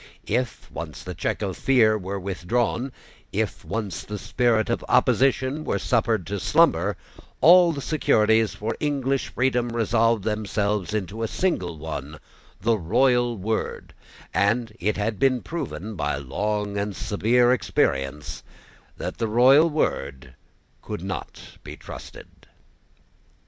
If once the check of fear were withdrawn, if once the spirit of opposition were suffered to slumber, all the securities for English freedom resolved themselves into a single one, the royal word; and it had been proved by a long and severe experience that the royal word could not be trusted.